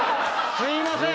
すいません！